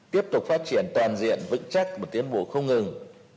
tiếp tục phát triển toàn diện vững chắc và tiến bộ không ngừng